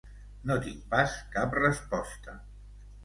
No tinc pas cap resposta.